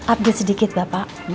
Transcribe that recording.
update sedikit bapak